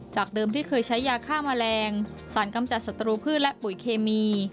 เดิมที่เคยใช้ยาฆ่าแมลงสารกำจัดศัตรูพืชและปุ๋ยเคมี